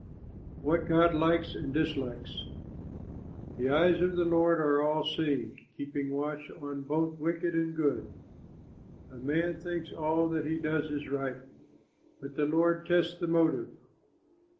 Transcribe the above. WHAT GOD LIKES AND DISLIKES The eyes of the Lord are all seeing, Keeping watch on both wicked and good. A man thinks all that he does is right, But the Lord tests the motive.